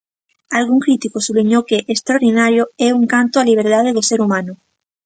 Algún crítico subliñou que 'Extraordinario' é un canto á liberdade do ser humano.